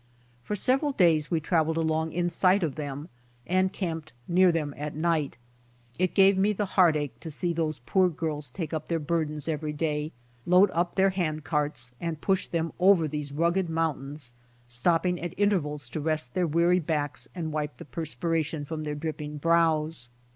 For several days we traveled along in sight of them and camped near them at night It gave me the heartache to see those poor girls take up their bur dens every day, load up their hand carts and push them over those rugged mountains, stopping at inter vals to rest their weary backs and wipe the perspira tion from their dripping brows.